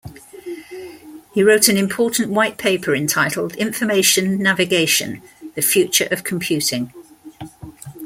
He wrote an important white paper entitled "Information Navigation: The Future of Computing".